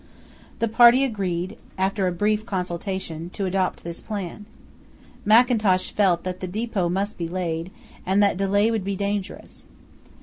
The party agreed, after a brief consultation, to adopt this plan. Mackintosh felt that the depot must be laid, and that delay would be dangerous.